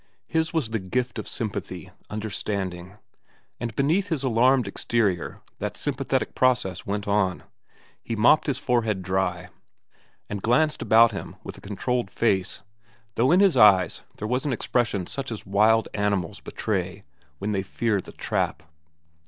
His was the gift of sympathy, understanding; and beneath his alarmed exterior that sympathetic process went on. He mopped his forehead dry and glanced about him with a controlled face, though in the eyes there was an expression such as wild animals betray when they fear the trap.